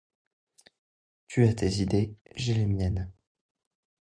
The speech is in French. Tu as tes idées, j'ai les miennes.